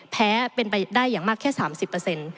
แพ้เป็นไปได้อย่างมากแค่๓๐